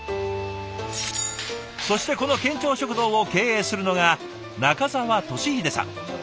そしてこの県庁食堂を経営するのが中澤寿秀さん。